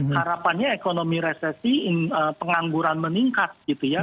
harapannya ekonomi resesi pengangguran meningkat gitu ya